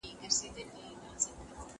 کله ژبه خپله نظر پیدا کړي.